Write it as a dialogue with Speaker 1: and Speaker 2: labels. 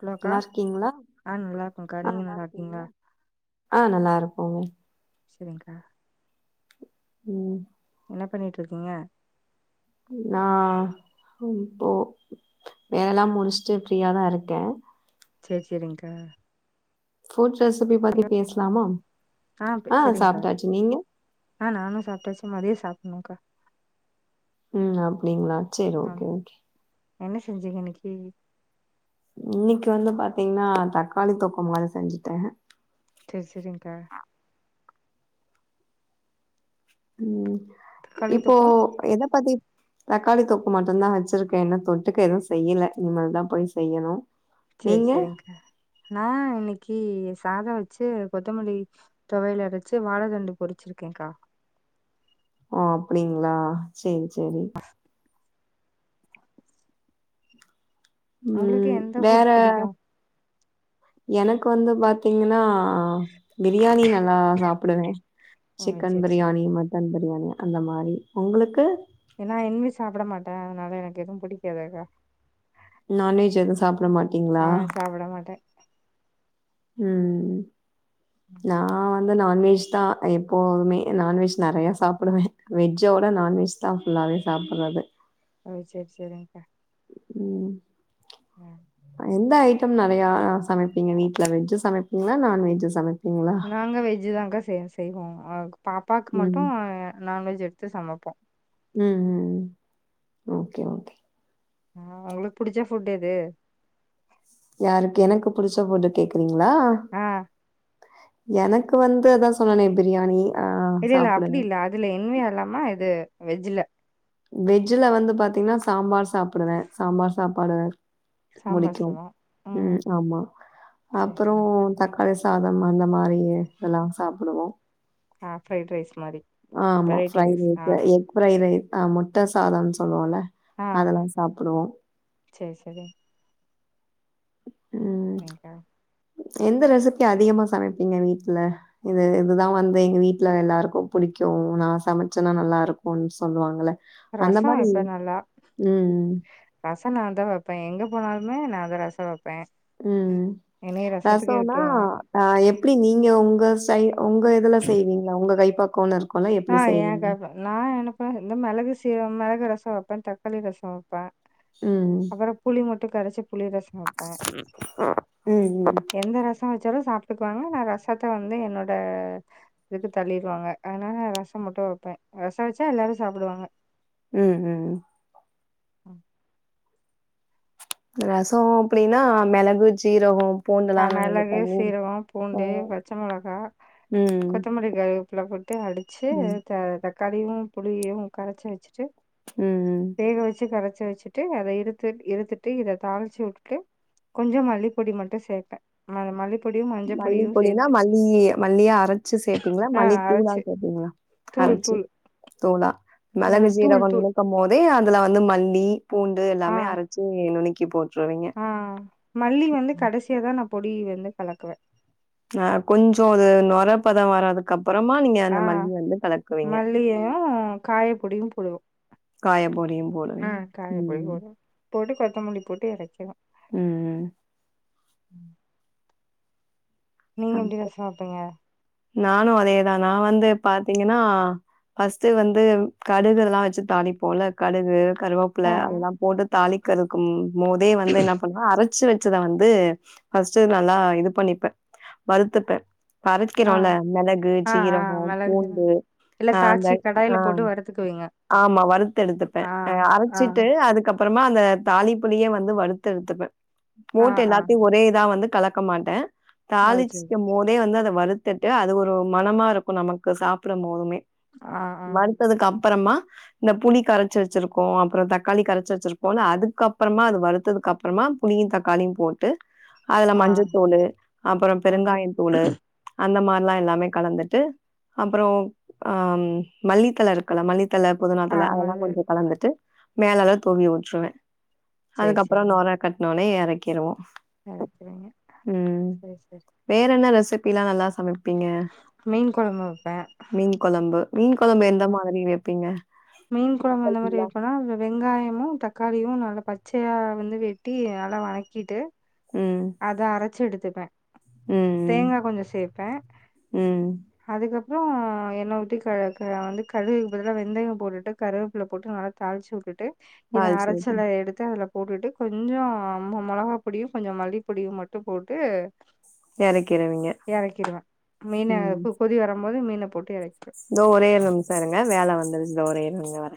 Speaker 1: ஹலோக்கா
Speaker 2: நல்லா இருக்கீங்களா?
Speaker 1: ஆ நல்லா இருக்கோங்க்கா
Speaker 2: ஆ
Speaker 1: நீங்க
Speaker 2: நல்லா இருக்கீங்களா? ஆ நல்லா இருக்கோங்க,
Speaker 1: சேரிங்க்கா
Speaker 2: ம்
Speaker 1: என்ன பண்ணிட்டு இருக்கீங்க
Speaker 2: நா இப்போ வேலைல்லா முடிச்சுட்டு ஃப்ரீயாதா இருக்கே
Speaker 1: சேரி சேரிங்க்கா
Speaker 2: ஃபுட் ரெசிபி பத்தி பேசலாமா ஆ சாப்ட்டாச்சு நீங்க
Speaker 1: ஆ நானு சாப்ட்டாச்சு மதிய சாப்ட்ணுக்கா
Speaker 2: ம் அப்டிங்களா சேரி
Speaker 1: ஆ
Speaker 2: ஓகே ஓகே
Speaker 1: என்ன செஞ்சிங்க இன்னைக்கு
Speaker 2: இன்னைக்கு வந்து பாத்தீங்கனா தக்காளி தக்காளி தொக்கு மாரி செஞ்சுட்டே
Speaker 1: சேரி சேரிங்க்கா
Speaker 2: ம்
Speaker 1: தக்காளி
Speaker 2: இப்போ
Speaker 1: தொக்கோ
Speaker 2: எத பத்தி தக்காளி தொக்கு மட்டும்தா வெச்சிருக்கே இன்னு தொட்டுக்க எதுவு செய்யலா இனிமேல்தா போய் செய்யணு
Speaker 1: செரி
Speaker 2: நீங்க
Speaker 1: செரிங்ககா நா இன்னைக்கி சாத வச்சு கொத்தமல்லி தொவையல் அரைச்சு வாழ தண்டு பொரிச்சிருக்கேங்க்கா
Speaker 2: ஓ அப்டிங்களா சேரி சேரி
Speaker 1: உங்களுக்கு
Speaker 2: ம்
Speaker 1: எந்த ஃபுட்
Speaker 2: வேற
Speaker 1: புடிக்கு
Speaker 2: எனக்கு வந்து பாத்தீங்கனா பிரியாணி நல்லா சாப்பிடுவே
Speaker 1: ஓ
Speaker 2: சிக்கன்
Speaker 1: சேரி சேரி
Speaker 2: பிரியாணி மட் டன் பிரியாணி அந்த மாரி உங்களுக்கு
Speaker 1: நா என்னுமே சாப்பிட மாட்டே அதனால எனக்கு எதுவு புடிக்காதுக்கா
Speaker 2: நான்வெஜ் எது சாப்பிட மாட்
Speaker 1: ஆ சாப்ட மாட்டே
Speaker 2: ம், நா வ ந்து நான்வெஜ்தா எப்போதுமே நான்வெஜ் நறைய சாப்பிடுவே வெஜ்ஜ விட நான்வெஜ் தா ஃபுல்லாவே சாப்புட்றது
Speaker 1: ஓ சேரி சேரிங்க்கா
Speaker 2: ம்
Speaker 1: ம்
Speaker 2: எந்த ஐட்டம் நறைய சமைப்பீங்க வீட்ல வெஜ் சமைப்பீங்ளா நான்வெஜ் சமைப்பீங்ளா
Speaker 1: நங்க வெஜ்தாங்க்கா செய் செய்வோ, அ பாப்பாவுக்கு மட்டு
Speaker 2: ம்.
Speaker 1: நான்வெஜ் எடுத்து சமைப்போ
Speaker 2: ம், ம், ஓகே ஓகே
Speaker 1: ஆ, உங்களுக்கு புடிச்ச ஃபுட் எது?
Speaker 2: யாருக்கு எனக்கு புடிச்ச ஃபுட் கேக்குறீங்ளா
Speaker 1: ஆ
Speaker 2: எனக்கு வந்து அதா சொன்னனே பிரியாணி ஆ
Speaker 1: இல்லல்ல அப்படி
Speaker 2: சாப்பிடுவேன்.
Speaker 1: இல்ல அதுல என் வி இல்லாம இது வெஜ்ஜீல
Speaker 2: வெஜ்ல வந்து பாத்தீங்கன்னா சாம்பார் சாப்டுவே சாம்பார் சாப்பாடு
Speaker 1: சாம்பார்
Speaker 2: முடிக்கு
Speaker 1: சாதோ
Speaker 2: ம் ஆமா
Speaker 1: சரி
Speaker 2: அப்புறோ
Speaker 1: சரி
Speaker 2: தக்காளி சாதம் அந்த மாரி இதெல்லா சாப்புடுவோ
Speaker 1: ஆ ஃபிரைட் ரைஸ் மாரி
Speaker 2: ஆ ஆமா
Speaker 1: வெரைட்டி ரைஸ்
Speaker 2: ஃபிரைரைஸ்
Speaker 1: ஆ
Speaker 2: தா எக்ஃபிரை ரைஸ் தா ஆ முட்ட சாதம்னு சொல்லுவோல அதெல்லா சாப்புடுவோ
Speaker 1: செரி செரி
Speaker 2: ம்
Speaker 1: சரிங்க்கா
Speaker 2: எந்த ரெசிபி அதிகமா சமைப்பிங்க வீட்ல இது இதுதா வந்து எங்க வீட்ல எல்லாருக்கு புடிக்கு நா சமச்சன்னா நல்லா இருக்குன் சொல்லுவாங்கள
Speaker 1: ரச வைப்ப நல்லா
Speaker 2: ம்,
Speaker 1: ரச நா தா வப்பே எங்க போனாலுமே நா தா ரச வப்பே
Speaker 2: ம் ரசோனா ஆ எப்டி நீங்க உங்க சை உங்க இதுலா செய்வீங்களா உங்க கைப்பக்கோன் இரு
Speaker 1: ஆ ஏ கன் நா என்னப்ப இந்த மெளகு சீரக மெளகு ரசோ வப்பே தக்காளி ரசோ வப்பே
Speaker 2: ம்
Speaker 1: அப்பற புளி மட்டு கரைச்சி புளி ரசோ வைப்பே
Speaker 2: ம் ம்
Speaker 1: எந்த ரச வச்சாலு சாப்ட்டுக்குவாங்க நா ரசத்த வந்து என்னோட இதுக்கு தள்ளிடுவாங்க அதனாலா ரச மட்டு வப்பே ரச வச்சா எல்லாரு சாப்பிடுவாங்க
Speaker 2: ம் ம் ரசோ அப்டின்னா மெளகு ஜீரகோ
Speaker 1: ஆ மெளகு சீரக பூண்டு பச்ச மொளகா
Speaker 2: ம்.
Speaker 1: கொத்தமல்லி கருக புல போட்டு அடிச்சு
Speaker 2: ம்.
Speaker 1: தக்காளியு புளியு கரச்சி வச்சுட்டு
Speaker 2: ம் ம்
Speaker 1: வேக வச்சு கரச்சி வச்சிட்டு அத இறுத்து இறுத்துட்டு இத தாளிச்சு வுட்டுட்டு கொஞ்ச மல்லிப்பொடி மட்டு சேத் மல்லிப்பொடியு மஞ்ச பொடியு
Speaker 2: மல்லிப்பொடினா,
Speaker 1: சேத்து
Speaker 2: மல்லி மல்லிய அரைச்சு சேர்ப்பீங்களா?
Speaker 1: ஆ
Speaker 2: மல்லி தூளா
Speaker 1: அரைச்சு
Speaker 2: சேர்ப்பீங்களா?
Speaker 1: தூள்
Speaker 2: அரைச்சு
Speaker 1: தூளு
Speaker 2: தூளா மெளகு சீரகொ அந்த
Speaker 1: தூள்
Speaker 2: மாரி பகும் போதே அதுலா வந்து மல்லி பூண்டு
Speaker 1: ஆ
Speaker 2: எல்லாமே அரைச்சு நுணுக்கி போட்ருவீங்க
Speaker 1: ஆ மல்லி வந்து கடசியா தா நா பொடி வந்து கலக்குவே
Speaker 2: அ கொஞ்சோ அது நொரப்பத வரதுக்கு அப்புறமா நீங்க அந்த மல்லி வந்து கலக்குவீங்க
Speaker 1: இல்லய காய பொடியு பொடுவோ
Speaker 2: காய பொடியு
Speaker 1: ஆ
Speaker 2: போடுவீங்க
Speaker 1: காயப்பொடி
Speaker 2: ம்
Speaker 1: போடு போட்டு கொத்தமல்லி போட்டு எரக்கிரோ
Speaker 2: ம்
Speaker 1: நீங்க எப்டி ரசோ வப்பிங்க
Speaker 2: நானு அதேதா நா வந்து பாத்தீங்கன்னா ஃபஸ்ட் வந்து கடுகு இது எல்லா வச்சு தாளி போல கடுகு கருவப் ப்ல
Speaker 1: ஆ
Speaker 2: அதெல்லா போட்டு தாளிக்கிறதுக்கும் போதே வந்து என்ன பண்ணுவா அரச்சு வச்சத வந்து ஃபஸ்டு நல்லா இது பண்ணிப்ப வருத்துப்ப
Speaker 1: ஆ
Speaker 2: அரக்கிறோல மெளகு
Speaker 1: ஆ ஆ
Speaker 2: ஜீரகோ
Speaker 1: மெளகு
Speaker 2: பூண்டு அ அந்த அ
Speaker 1: த்க்குவீங்க
Speaker 2: ஆமா வருத்து எடுத்துப்ப அ
Speaker 1: ஆ
Speaker 2: அரச்சிட்டு அதுக்கப் அப்றமா அந்த தாழிப்புலியே வந்து வருத்து எடுத்துப்ப
Speaker 1: ஆ
Speaker 2: ஓட்
Speaker 1: ஆ
Speaker 2: எல்லாத்தயு ஒரே இதா வந்து கலக் க்கமாட்ட
Speaker 1: அது செரி
Speaker 2: தாழிச்சு போதே வந்து அத வறுத்துட்டு அது ஒரு மனமா இருக்கு நமக்கு சாப்ட போதுமே
Speaker 1: ஆ ஆ
Speaker 2: ததுக்கு அப்பறமா இந்த புளி கரச்சு வச்சிருக்கோ அப்றோ தக்காளி கரச்சு வச்சிருக்கோல அதுக்கப்பறமா அது வருத்ததுக்கு அப்றமா புளியு தக்காளியு போட்டு அதுல
Speaker 1: ஆ
Speaker 2: மஞ்சத்தூளு அப்றோ
Speaker 1: அது
Speaker 2: பெருங்காய தூளு அந்த மாரிலா எல்லாமே கலந்துட்டு அப்றோ அ மல்லித்தழ இருக்குல்ல மல்லி தழ
Speaker 1: ஆ
Speaker 2: புதுனாத்தழ அதெல்லா
Speaker 1: மொளகு
Speaker 2: கொஞ்சொ கலந்துட்டு மேலலா துவி உட்ருவ
Speaker 1: சேரி
Speaker 2: அதுக்கப்றோ நொற கட்னோனே எறக்கிருவோ
Speaker 1: எரக்கிருவிங்க செரி செரி
Speaker 2: வேற என்ன ரெசிபிலா நல்லா சமைப்
Speaker 1: மீன் கொழம்பு வெப்ப
Speaker 2: மீன் கொழம்பு மீன் கொழம்பு எந்த மாதிரி வெப்பீங்க
Speaker 1: மீன் கொழம்பு எந்த மாரி வப்பனா அது வெங்காயமு தக்காளியு நல்லா பச்சயா வந்து வெட்டி நல்லா வதக்கிட்டு
Speaker 2: ம்
Speaker 1: அத அரச்சு எடுத்துப்ப
Speaker 2: ம். ம்.
Speaker 1: தேங்கா கொஞ்சோ சேப்ப
Speaker 2: ம்.
Speaker 1: அதுக்கப் வா அ எண்ண ஊத்தி க க வந்து கடுகுக்கு பதிலா வெந்தயோ போட்டுட்டு கருவேப்பில்ல போட்டு நல்லா தாழிச்சி உட்டுட்டு இத
Speaker 2: தாளிச்சு ஊத்தி
Speaker 1: அரச்சல எடுத்து அதுல போட்டுட்டு கொஞ்சோ மொ மொளகா பொடியு கொஞ்சொ மல்லி பொடியு மட்டு போட்டு
Speaker 2: எறக்கிருவீங்க.
Speaker 1: எறக்கிருவ மீன கு கொதி வரும்போது மீன போட்டு எரக்கிருவ
Speaker 2: இந்தா ஒரே ஒரு நிமிஷோ இருங்க வேல வந்து ஒரே ஒரு இருங்க வர